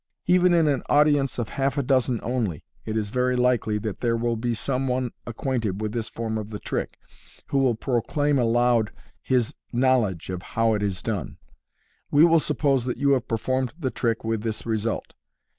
Even in an audience of half a dozen only, it is very likely that there will be some one acquainted with this form of the trick, who will proclaim aloud his knowledge of "how it is done." We will suppose that you have performed the trick with this result.